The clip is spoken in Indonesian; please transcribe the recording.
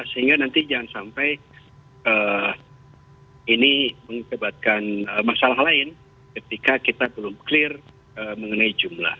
sehingga nanti jangan sampai ini menyebabkan masalah lain ketika kita belum clear mengenai jumlah